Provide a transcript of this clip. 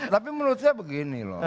tapi menurut saya begini loh